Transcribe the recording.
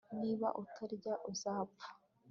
Niba utarya uzapfa